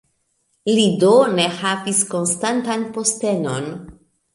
Li do ne havis konstantan postenon.